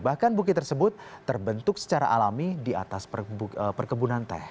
bahkan bukit tersebut terbentuk secara alami di atas perkebunan teh